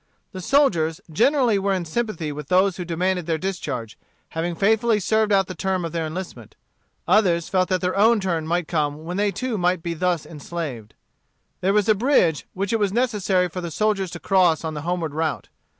The soldiers generally were in sympathy with those who demanded their discharge, having faithfully served out the term of their enlistment. Others felt that their own turn might come when they too might be thus enslaved. There was a bridge which it was necessary for the soldiers to cross on the homeward route.